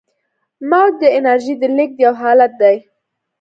موج د انرژۍ د لیږد یو حالت دی.